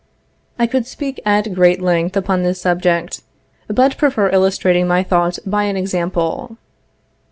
I could speak at great length upon this subject, but prefer illustrating my thought by an example.